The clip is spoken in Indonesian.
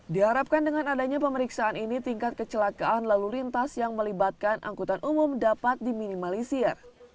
diharapkan dengan adanya pemeriksaan ini tingkat kecelakaan lalu lintas yang melibatkan angkutan umum dapat diminimalisir